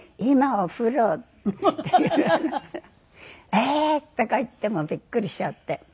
「ええー！」とか言ってもうビックリしちゃって。